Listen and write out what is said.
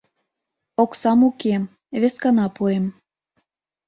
— Оксам уке... вескана пуэм.